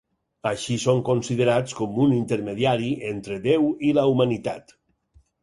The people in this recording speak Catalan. Així són considerats com un intermediari entre Déu i la humanitat.